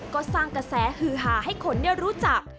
ก็สร้างกระแสฮือหาให้คนได้รู้จัก